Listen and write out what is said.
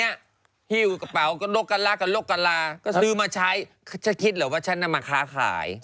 อยากซื้อต่อไม่เคยใส่ต่อเลย